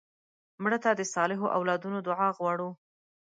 مړه ته د صالحو اولادونو دعا غواړو